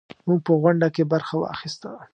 موږ په غونډه کې برخه واخیسته.